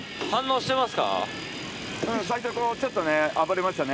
うん最初こうちょっとね暴れましたね。